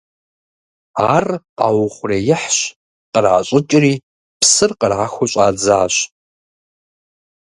Ар къаухъуреихьщ, къращӏыкӏри, псыр кърахыу щӏадзащ.